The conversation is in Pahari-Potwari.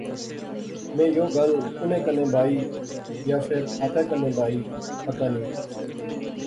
میں یو گل انیں کنے بائی یا فیر آپے کنے بائی، پتہ نی